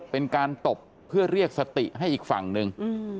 เป็นการตบเพื่อเรียกสติให้อีกฝั่งหนึ่ง